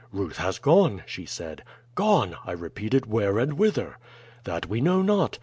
"'Ruth has gone,' she said. "'Gone!' I repeated. 'Where and whither?' "'That we know not.